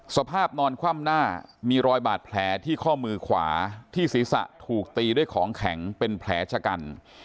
สภาพนอนคว่ำหน้ามีรอยบาดแผลที่ข้อมือขวาที่ศีรษะถูกตีด้วยของแข็งเป็นแผลชะกัน